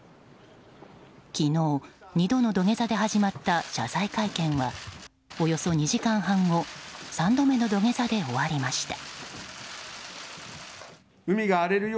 昨日２度の土下座で始まった謝罪会見はおよそ２時間半後３度目の土下座で終わりました。